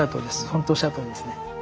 ほんとおっしゃるとおりですね。